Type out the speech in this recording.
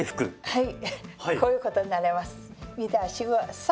はい。